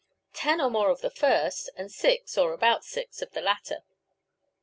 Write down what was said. Ten or more of the first, and six, or about six, of the latter.